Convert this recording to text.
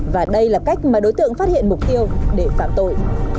và đây là cách mà đối tượng phát hiện mục tiêu để phạm tội